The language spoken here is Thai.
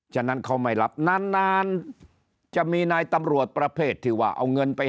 ฉะนั้นเขาไม่รับนานนานจะมีนายตำรวจประเภทที่ว่าเอาเงินไป